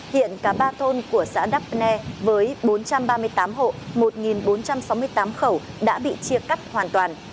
hiện cả ba thôn của xã đắp ne với bốn trăm ba mươi tám hộ một bốn trăm sáu mươi tám khẩu đã bị chia cắt hoàn toàn